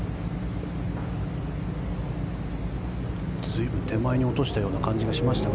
随分手前に落としたような感じがしました。